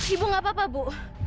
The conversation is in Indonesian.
ibu gak apa apa bu